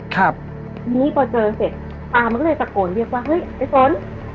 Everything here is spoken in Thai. ทีนี้พอเจอเสร็จตามันก็เลยตะโกนเรียกว่าเฮ้ยไอ้ฝน